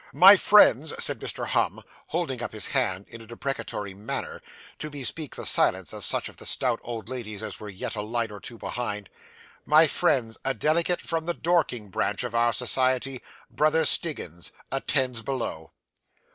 'My friends,' said Mr. Humm, holding up his hand in a deprecatory manner, to bespeak the silence of such of the stout old ladies as were yet a line or two behind; 'my friends, a delegate from the Dorking Branch of our society, Brother Stiggins, attends below.